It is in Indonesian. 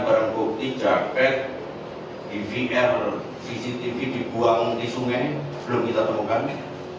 jadi dalam waktu tiga hari